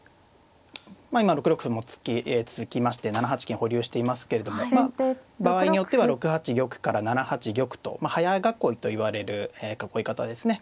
まあ今６六歩も突きまして７八金を保留していますけれども場合によっては６八玉から７八玉と早囲いといわれる囲い方ですね。